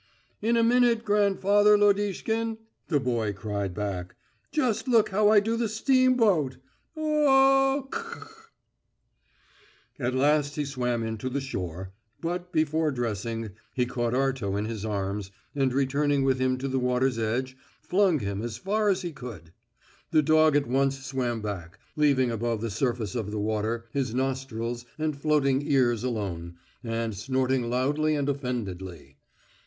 "In a minute, grandfather Lodishkin," the boy cried back. "Just look how I do the steamboat. U u u ukh!" At last he swam in to the shore, but, before dressing, he caught Arto in his arms, and returning with him to the water's edge, flung him as far as he could. The dog at once swam back, leaving above the surface of the water his nostrils and floating ears alone, and snorting loudly and offendedly.